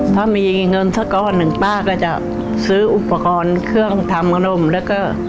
ถ้ามีเงินสักก้อนหนึ่งป้าก็จะซื้ออุปกรณ์เครื่องทำขนมแล้วก็